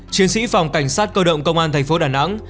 chiến sĩ phòng cảnh sát cơ động công an thành phố đà nẵng